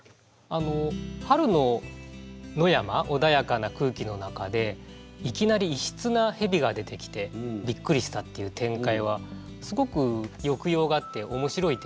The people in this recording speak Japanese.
春の野山穏やかな空気の中でいきなり異質なへびが出てきてびっくりしたっていう展開はすごく抑揚があって面白い展開だと思いました。